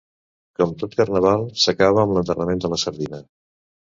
Com tot Carnaval, s'acaba amb l'enterrament de la sardina.